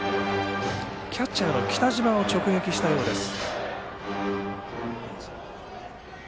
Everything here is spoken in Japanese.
キャッチャーの北島を直撃したようです。